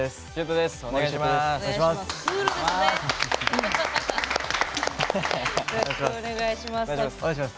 よろしくお願いします。